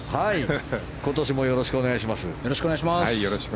今年もよろしくお願いします。